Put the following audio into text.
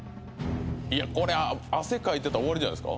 「これ汗かいてたら終わりじゃないですか？」